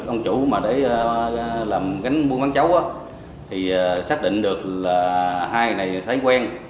ông chủ mà đấy làm cánh buôn bán cháu á thì xác định được là hai này thấy quen